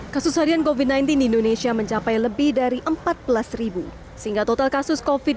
kasus harian kofit mainin indonesia mencapai lebih dari empat belas sehingga total kasus kofit